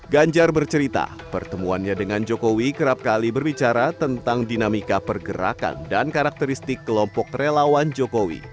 ganjar bercerita pertemuannya dengan jokowi kerap kali berbicara tentang dinamika pergerakan dan karakteristik kelompok relawan jokowi